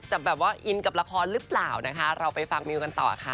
จะแบบว่าอินกับละครหรือเปล่านะคะเราไปฟังมิวกันต่อค่ะ